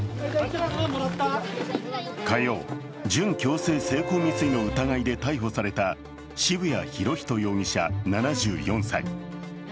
火曜、準強制性交未遂の疑いで逮捕された渋谷博仁容疑者７４歳。